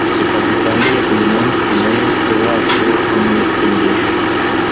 reka dusangire uyu munsi na yesu wacu mumasengesho